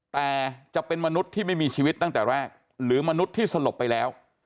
แต่จะเป็นมนุษย์ที่ไม่มีชีวิตตั้งแต่แรกหรือมนุษย์ที่สลบไปแล้ว